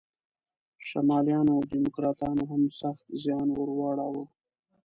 شمالیانو او دیموکراتانو هم سخت زیان ور واړاوه.